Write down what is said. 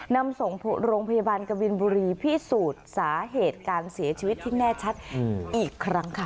นำส่งโรงพยาบาลกบินบุรีพิสูจน์สาเหตุการเสียชีวิตที่แน่ชัดอีกครั้งค่ะ